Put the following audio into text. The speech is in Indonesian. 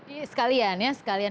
ya sekalian ya